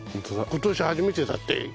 今年初めてだって。